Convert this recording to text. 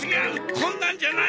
こんなんじゃない！